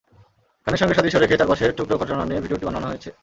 গানের সঙ্গে সাদৃশ্য রেখে চার পাশের টুকরো ঘটনা নিয়েই ভিডিওটি বানানো হয়েছে।